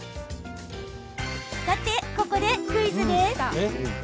さて、ここでクイズです。